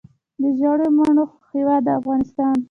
د ژیړو مڼو هیواد افغانستان.